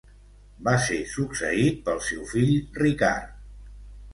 Va ser succeït pel seu fill Ricard.